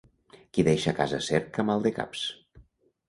Qui deixa casa cerca maldecaps.